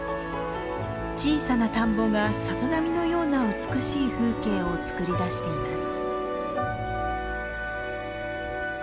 小さな田んぼがさざ波のような美しい風景をつくり出しています。